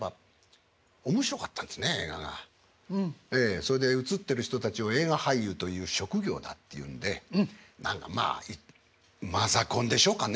それで映ってる人たちを映画俳優という職業だっていうんでまあマザコンでしょうかね。